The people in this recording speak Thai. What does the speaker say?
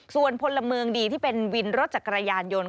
ส่วนพลเมืองดีที่เป็นวินรถจักรยานยนต์